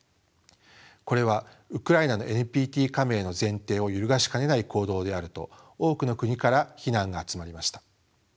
これはウクライナのＮＰＴ加盟の前提を揺るがしかねない行動であると多くの国から非難が集まりました。